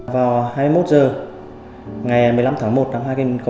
vào hai mươi một h ngày một mươi năm tháng một năm hai nghìn một mươi bảy